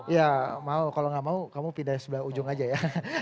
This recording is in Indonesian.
ya mau kalau nggak mau kamu pindah sebelah ujung aja ya